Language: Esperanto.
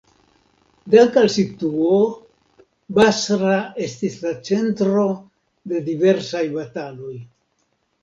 Dank al situo, Basra estis la centro de diversaj bataloj.